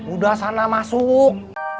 udah sana masuk